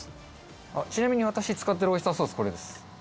ちなみに私使ってるオイスターソースこれです。